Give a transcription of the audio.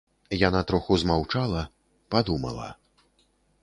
Яна троху змаўчала, падумала.